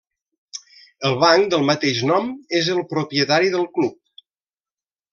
El banc del mateix nom és el propietari del club.